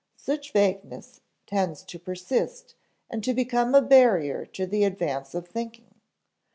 Such vagueness tends to persist and to become a barrier to the advance of thinking.